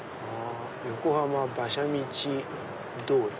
横浜馬車道通り。